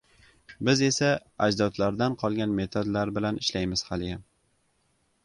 Biz esa ajdodlardan qolgan metodlar bilan ishlaymiz haliyam.